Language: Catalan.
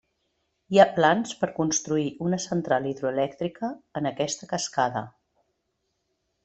Hi ha plans per construir una central hidroelèctrica en aquesta cascada.